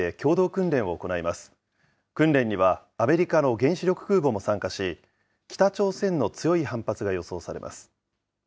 訓練にはアメリカの原子力空母も参加し、北朝鮮の強い反発が予想されます。